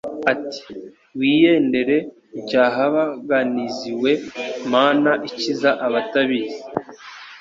Ati » Wiyendere NcyahabaganiziWe mana ikiza abatabazi. »